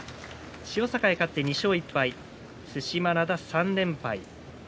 千代栄、勝って２勝１敗對馬洋は３連敗。